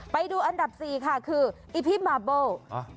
ไปดูอันดับสี่ค่ะคืออีพีมาเบิล